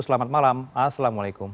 selamat malam assalamualaikum